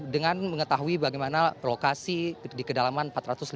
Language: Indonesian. dengan mengetahui bagaimana lokasi di kedalaman